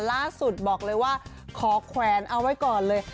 ล่าสุดบอกเลยว่าขอแขวนเอาไว้ก่อนเลย